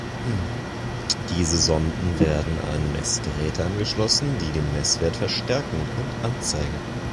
Diese Sonden werden an Messgeräte angeschlossen, die den Messwert verstärken und anzeigen.